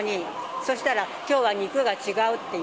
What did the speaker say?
そしたら、きょうは肉が違うっていう。